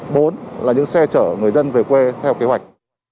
bốn là những xe chở người dân về quê theo kế hoạch